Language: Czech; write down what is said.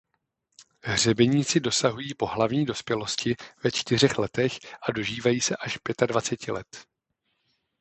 Hřebeníci dosahují pohlavní dospělosti ve čtyřech letech a dožívají se až pětadvaceti let.